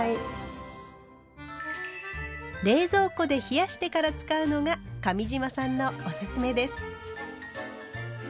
冷蔵庫で冷やしてから使うのが上島さんのオススメです。